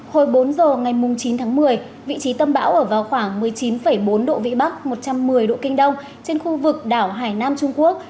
hồi bốn giờ ngày chín tháng một mươi vị trí tâm bão ở vào khoảng một mươi chín bốn độ vĩ bắc một trăm một mươi độ kinh đông trên khu vực đảo hải nam trung quốc